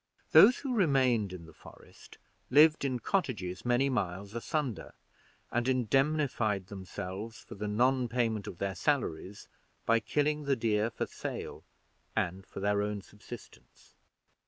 Those who remained in the Forest lived in cottages many miles asunder, and indemnified themselves for the non payment of their salaries by killing the deer for sale and for their own subsistence.